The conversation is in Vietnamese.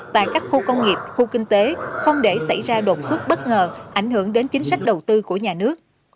và các khu công nghiệp khu kinh tế không để xảy ra đột xuất bất ngờ ảnh hưởng đến chính sách đầu tư của nhà nước